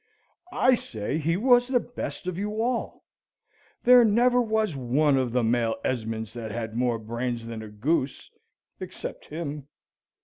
"I say he was the best of you all. There never was one of the male Esmonds that had more brains than a goose, except him.